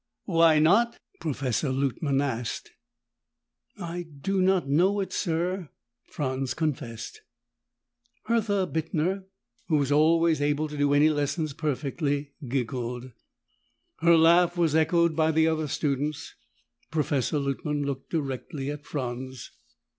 "Why not?" Professor Luttman asked. "I do not know it, sir," Franz confessed. Hertha Bittner, who was always able to do any lesson perfectly, giggled. Her laugh was echoed by the other students. Professor Luttman looked directly at Franz.